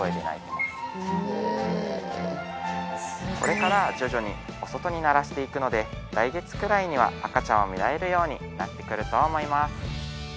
これから徐々にお外に慣らして行くので来月くらいには赤ちゃんを見られるようになって来ると思います。